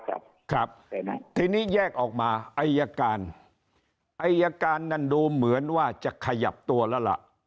ครับครับทีนี้แยกออกมาอายการอายการนั้นดูเหมือนว่าจะขยับตัวแล้วล่ะ